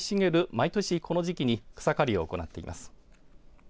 毎年この時期に草刈りを行っています。